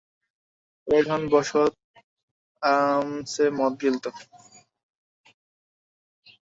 ও এখানে বসত, আরামসে মদ গিলত।